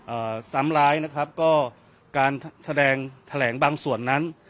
ซ้ำร้ายนะครับก็การแสดงแถลงบางส่วนนั้น